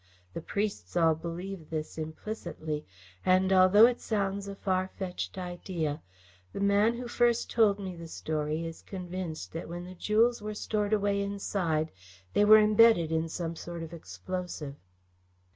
The priests all believe this implicitly, and, although it sounds a far fetched idea, the man who first told me the story is convinced that when the jewels were stored away inside, they were imbedded in some sort of explosive."